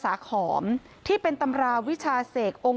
เป็นพระรูปนี้เหมือนเคี้ยวเหมือนกำลังทำปากขมิบท่องกระถาอะไรสักอย่าง